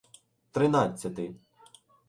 Тринадцяти